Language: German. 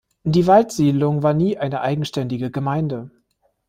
Die Waldsiedlung war nie eine eigenständige Gemeinde.